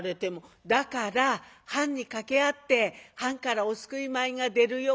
「だから藩に掛け合って藩からお救い米が出るように」。